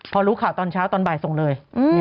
พอรู้ข่าวตอนเช้าตอนบ่ายส่งเลย